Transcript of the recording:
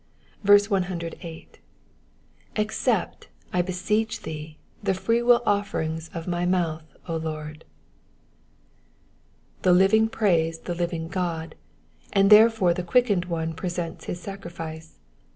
108. ''^Accept, I beseech thee, the freewill offerings of my mouth, Lord." The living praise the living God, and therefore the quickened one presents his sacrifice.